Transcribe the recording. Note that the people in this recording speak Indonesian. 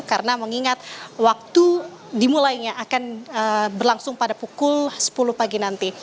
karena mengingat waktu dimulainya akan berlangsung pada pukul sepuluh pagi nanti